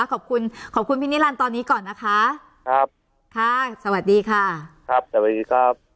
ขอบคุณขอบคุณพี่นิรันดิ์ตอนนี้ก่อนนะคะครับค่ะสวัสดีค่ะครับสวัสดีครับ